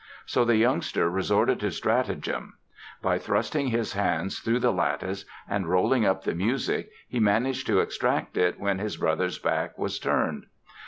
So the youngster resorted to stratagem. By thrusting his hands through the lattice and rolling up the music he managed to extract it when his brother's back was turned.